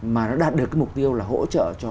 mà nó đạt được cái mục tiêu là hỗ trợ cho